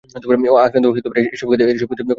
আক্রান্ত এসব খেতে কোনো প্রতিষেধক কাজ করছে না।